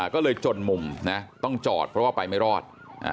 ก็เลยจนมุมนะต้องจอดเพราะว่าไปไม่รอด